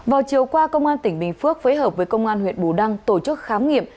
vào chiều qua công an tỉnh bình phước phối hợp với công an huyện bù đăng tổ chức khám nghiệm